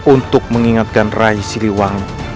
untuk mengingatkan raih siliwangi